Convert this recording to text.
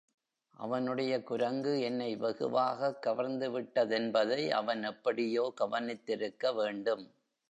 அவனுடைய குரங்கு என்னை வெகுவாகக் கவர்ந்துவிட்ட தென்பதை அவன் எப்படியோ கவனித்திருக்க வேண்டும்.